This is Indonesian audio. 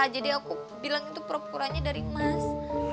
jadi aku bilang itu perukurannya dari mas